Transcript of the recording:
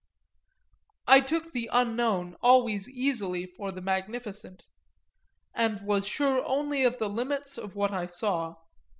I took the unknown always easily for the magnificent and was sure only of the limits of what I saw.